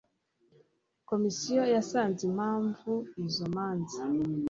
komisiyo yasanze impamvu izo manza